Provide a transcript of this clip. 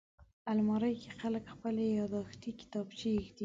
الماري کې خلک خپلې یاداښتې کتابچې ایږدي